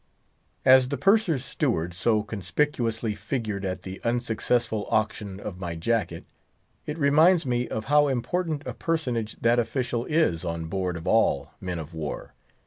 As the Purser's steward so conspicuously figured at the unsuccessful auction of my jacket, it reminds me of how important a personage that official is on board of all men of war.